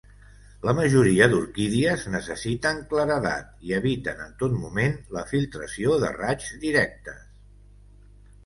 La majoria d'orquídies necessiten claredat, i eviten en tot moment la filtració de raigs directes.